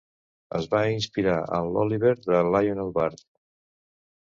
Es va inspirar en l'Oliver de Lionel Bart!